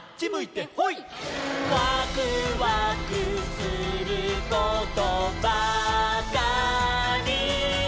「ワクワクすることばかり」